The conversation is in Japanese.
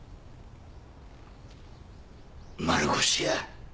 丸腰や。